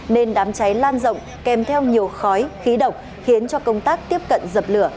nên đám cháy lan rộng kèm theo nhiều khói khí độc khiến cho công tác tiếp cận dập lửa